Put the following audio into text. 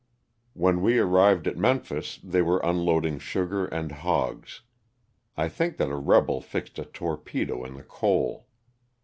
When we arrived at Memphis they were unloading sugar and hogs. I think that a rebel fixed a torpedo in the coal.